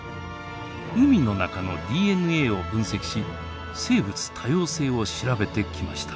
海の中のＤＮＡを分析し生物多様性を調べてきました。